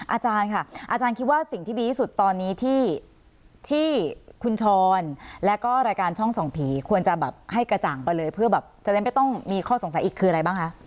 อาจารย์ค่ะอาจารย์คิดว่าสิ่งที่ดีที่สุดตอนนี้ที่คุณชรและก็รายการช่องส่องผีควรจะแบบให้กระจ่างไปเลยเพื่อแบบจะได้ไม่ต้องมีข้อสงสัยอีกคืออะไรบ้างคะ